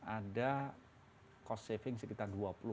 ada cost saving sekitar dua puluh lima triliun